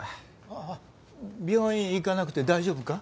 ああ病院行かなくて大丈夫か？